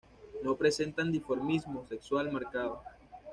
No presentan dimorfismo sexual marcado.